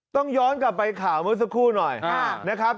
ต้องย้อนกลับไปข่าวเมื่อสักครู่หน่อยนะครับ